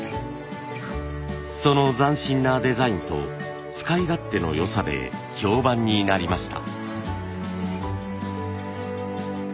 その斬新なデザインと使い勝手の良さで評判になりました。